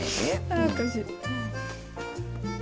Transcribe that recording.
あおかしい。